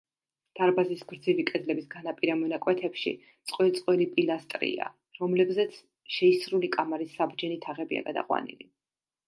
დარბაზის გრძივი კედლების განაპირა მონაკვეთებში წყვილ-წყვილი პილასტრია, რომლებზეც შეისრული კამარის საბჯენი თაღებია გადაყვანილი.